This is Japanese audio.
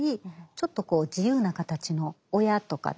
ちょっとこう自由な形の親とかね